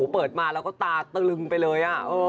เปิดมาแล้วก็ตาตึงไปเลย